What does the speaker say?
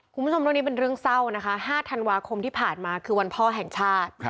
คุณผู้ชมเรื่องนี้เป็นเรื่องเศร้านะคะ๕ธันวาคมที่ผ่านมาคือวันพ่อแห่งชาติ